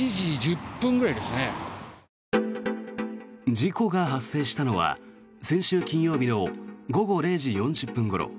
事故が発生したのは先週金曜日の午後０時４０分ごろ。